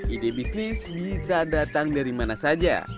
ide bisnis bisa datang dari mana saja